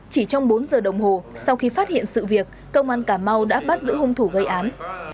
chỉ trong bốn giờ đồng hồ sau khi phát hiện sự việc công an cà mau đã bắt giữ hung thủ gây án